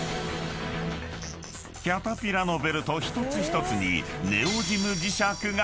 ［キャタピラのベルト一つ一つにネオジム磁石が］